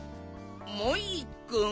モイくん？